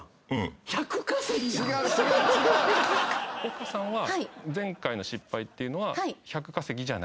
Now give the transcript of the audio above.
丘さんは前回の失敗っていうのは。